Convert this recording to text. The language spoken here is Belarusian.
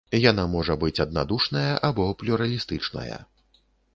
Яна можа быць аднадушная або плюралістычная.